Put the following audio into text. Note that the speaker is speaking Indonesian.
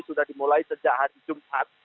sudah dimulai sejak hari jumat